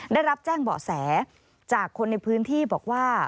ได้รับแจ้งเบาะแสจากคนในพื้นที่บอกว่า